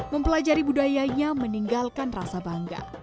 mempelajari budayanya meninggalkan rasa bangga